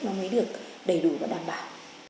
nó mới được đầy đủ và đảm bảo